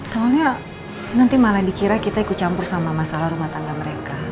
soalnya nanti malah dikira kita ikut campur sama masalah rumah tangga mereka